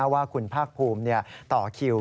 ว่าคุณภาคภูมิต่อคิว